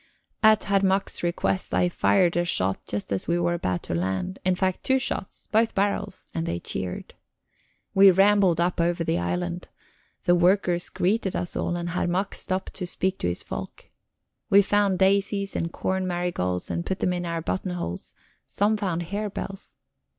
At Herr Mack's request I fired a shot just as we were about to land, in fact, two shots, both barrels and they cheered. We rambled up over the island, the workers greeted us all, and Herr Mack stopped to speak to his folk. We found daisies and corn marigolds and put them in our button holes; some found harebells.